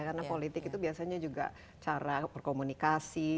karena politik itu biasanya juga cara perkomunikasi